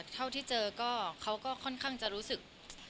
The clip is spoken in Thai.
เท่าที่เจอก็เขาก็ค่อนข้างจะรู้สึก